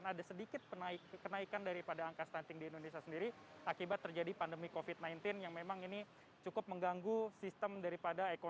dan pada tahun dua ribu dua puluh satu presiden jokowi dodo ini memprediksi akan ada sedikit kenaikan daripada angka stunting di indonesia sendiri akibat terjadi pandemi covid sembilan belas yang memang ini cukup mengganggu sistem dunia